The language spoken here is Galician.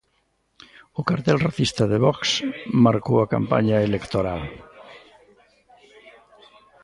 O cartel racista de Vox marcou a campaña electoral.